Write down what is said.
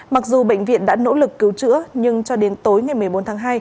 mặc dù bệnh viện đã nỗ lực cứu chữa nhưng cho đến tối ngày một mươi bốn tháng hai